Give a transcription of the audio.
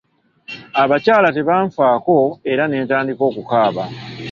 Abakyala tebanfaako era ne ntandika okukaaba.